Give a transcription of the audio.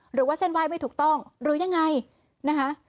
หรือว่าเส้นไหว้ไม่ถูกต้องหรือยังไงนะคะ